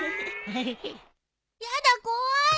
やだ怖い。